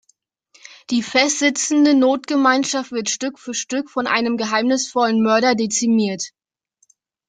Die festsitzende Notgemeinschaft wird, Stück für Stück, von einem geheimnisvollen Mörder dezimiert.